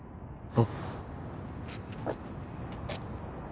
あっ。